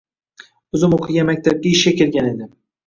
Oʻzim oʻqigan maktabga ishga kelgan edim.